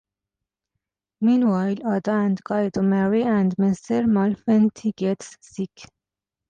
Meanwhile, Ada and Guido marry and Mr. Malfenti gets sick.